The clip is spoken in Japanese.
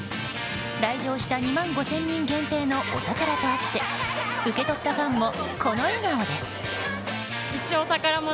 来場した２万５０００人限定のお宝とあって受け取ったファンもこの笑顔です。